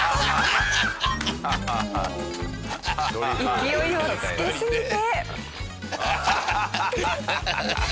勢いをつけすぎて。